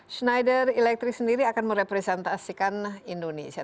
schnider electric sendiri akan merepresentasikan indonesia